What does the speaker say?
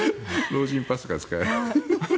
老人パスが使える。